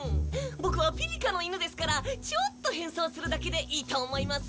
ボクはピリカの犬ですからちょっと変装するだけでいいと思います。